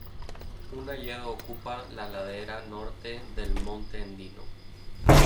Un hayedo ocupa la ladera norte del monte Endino.